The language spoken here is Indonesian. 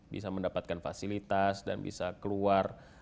bisa mendapatkan fasilitas dan bisa keluar